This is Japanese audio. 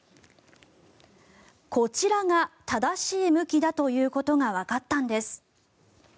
こちらが正しい向きだということがわかったんです。